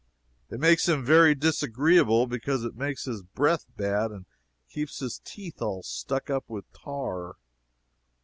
It makes him very disagreeable, because it makes his breath bad, and keeps his teeth all stuck up with tar.